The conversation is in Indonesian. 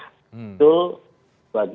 kalau dari sisi voting behavior itu tidak mudah